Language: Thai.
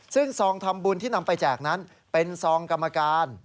ซึ่งซองทำบุญที่นำไปแจกนั้นเป็นซองกรรมการ